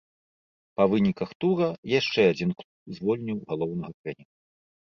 Па выніках тура яшчэ адзін клуб звольніў галоўнага трэнера.